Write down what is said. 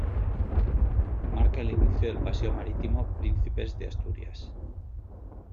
Marca el inicio del Paseo Marítimo Príncipes de Asturias.